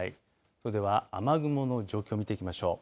それでは雨雲の状況見ていきましょう。